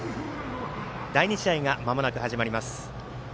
第２試合が、まもなく始まります。